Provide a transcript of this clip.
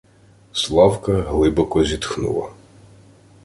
Славка глибоко зітхнула: